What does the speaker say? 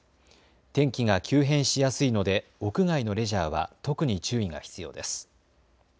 天気が急変しやすいので屋外のレジャーは特に注意が必要です。